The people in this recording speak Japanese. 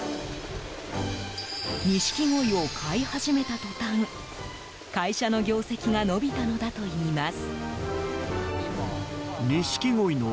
ニシキゴイを飼い始めたとたん会社の業績が伸びたのだといいます。